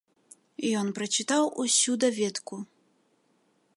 Ён прачытаў усю даведку.